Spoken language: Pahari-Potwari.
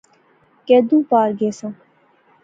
کیدوں پار گیساں؟